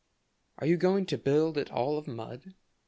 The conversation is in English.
"Are you going to build it all of mud?"